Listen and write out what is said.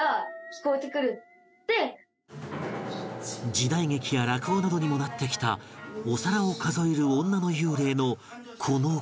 時代劇や落語などにもなってきたお皿を数える女の幽霊のこの怪談